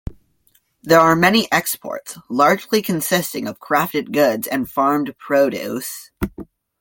There are many exports, largely consisting of crafted goods and farmed produce.